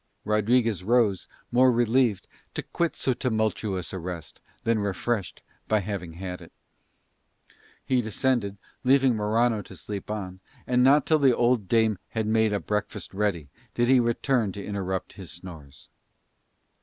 Rodriguez rose more relieved to quit so tumultuous a rest than refreshed by having had it. He descended, leaving Morano to sleep on, and not till the old dame had made a breakfast ready did he return to interrupt his snores.